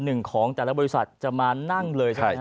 หนึ่งของแต่ละบริษัทจะมานั่งเลยใช่ไหมฮ